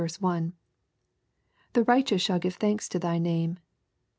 —" The righteous shall give thanks to thy name."